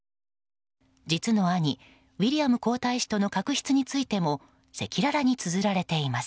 実の兄ウィリアム皇太子との確執についても赤裸々につづられています。